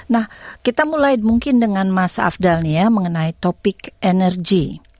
nah kita mulai mungkin dengan mas afdal ya mengenai topik energi